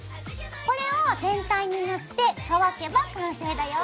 これを全体に塗って乾けば完成だよ。